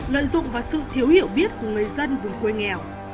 lợi dụng vào sự thiếu hiểu biết của người dân vùng quê nghèo